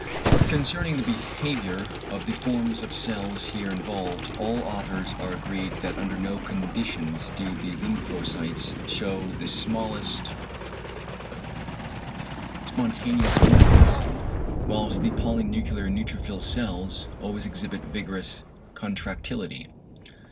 Concerning the behaviour of the forms of cell here involved, all authors are agreed that under no conditions do the lymphocytes shew the smallest spontaneous movement; whilst the polynuclear neutrophil cells always exhibit vigorous contractility.